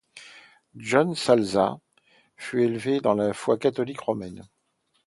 John Salza fut élevé dans la foi catholique romaine.